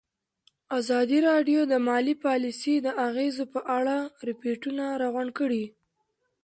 ازادي راډیو د مالي پالیسي د اغېزو په اړه ریپوټونه راغونډ کړي.